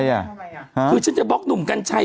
คือฉันจะบล็อกหนุ่มกัญชัย